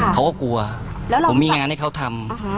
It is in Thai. เขาก็กลัวผมมีงานให้เขาทำ